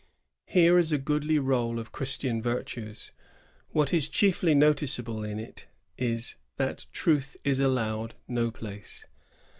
"^ Here is a goodly roU of Chris tian virtues. What is chiefly noticeable in it is, that truth is allowed no place.